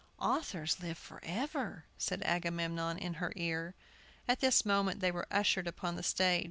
"Authors live forever!" said Agamemnon in her ear. At this moment they were ushered upon the stage.